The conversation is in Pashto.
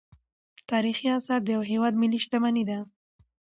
تاریخي اثار د یو هیواد ملي شتمني ده.